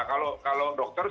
kalau dokter suruh kerja di rumah